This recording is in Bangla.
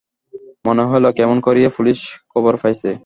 মনে হইল, কেমন করিয়া পুলিস খবর পাইয়াছে।